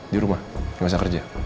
di rumah gak usah kerja